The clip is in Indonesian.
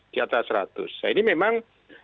seratus nah ini memang